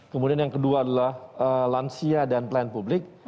kemudian yang kedua adalah lansia dan pelayan publik